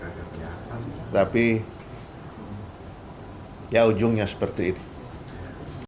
untuk coach sinteyong luar biasa anda sudah menempa menggembleng melatih anak anak indonesia